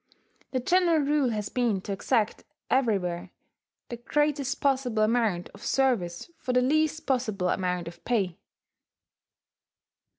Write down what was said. The general rule has been to exact everywhere the greatest possible amount of service for the least possible amount of pay.